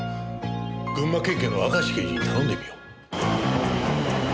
群馬県警の明石刑事に頼んでみよう。